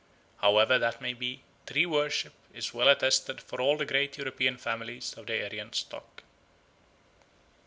However that may be, tree worship is well attested for all the great European families of the Aryan stock.